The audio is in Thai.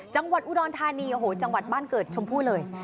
จังหวัดอุดรธานีโอ้โหจังหวัดบ้านเกิดชมพู่เลย